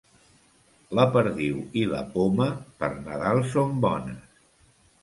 La perdiu i la poma, per Nadal, són bones.